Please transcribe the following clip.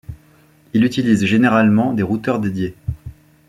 Il utilise généralement des routeurs dédiés.